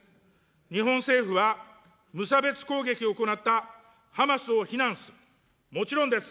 日本政府は、無差別攻撃を行ったハマスを非難する、もちろんです。